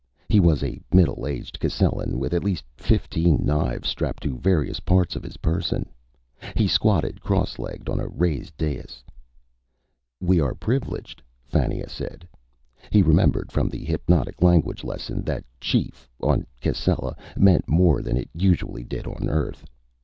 He was a middle aged Cascellan with at least fifteen knives strapped to various parts of his person. He squatted cross legged on a raised dais. "We are privileged," Fannia said. He remembered from the hypnotic language lesson that "chief" on Cascella meant more than it usually did on Earth.